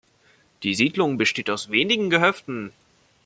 Die Siedlung besteht aus wenigen Gehöften.